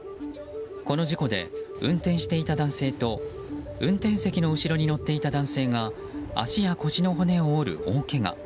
この事故で運転していた男性と運転席の後ろに乗っていた男性が足や腰の骨を折る大けが。